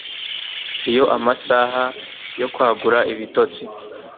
Iyo amasaha yo kwagura ibitotsi